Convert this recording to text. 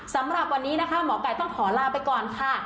สำหรับวันนี้นะคะหมอไก่ต้องขอลาไปก่อนค่ะ